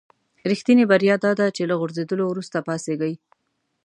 رښتینې بریا داده چې له غورځېدلو وروسته پاڅېږئ.